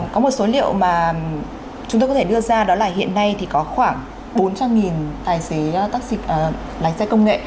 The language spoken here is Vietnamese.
có một số liệu mà chúng tôi có thể đưa ra đó là hiện nay thì có khoảng bốn trăm linh tài xế taxit lái xe công nghệ